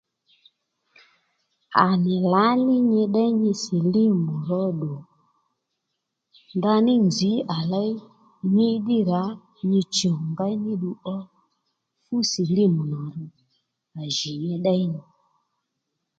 À nì lǎní nyi ddéy nyi silímù róddù ndaní nzǐ à léy nyi ddí rǎ nyi chùw ngéy ní ddu ó fú silímù nà à jì nyi ddéy nyi